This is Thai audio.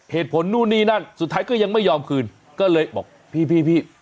เหตุผลนู่นนี่นั่นสุดท้ายก็ยังไม่ยอมคืนก็เลยบอกพี่พี่